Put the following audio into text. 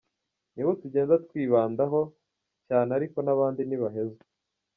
Nibo tugenda twibandaho cyane ariko n’abandi ntibahezwa.